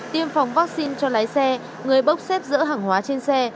tiêm phòng vắc xin cho lái xe người bốc xếp giữa hàng hóa trên xe